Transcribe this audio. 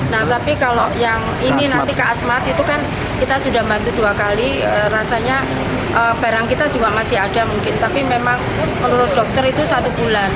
nah tapi kalau yang ini nanti ke asmat itu kan kita sudah bantu dua kali rasanya barang kita juga masih ada mungkin tapi memang menurut dokter itu satu bulan